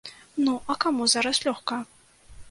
Ну, а каму зараз лёгка?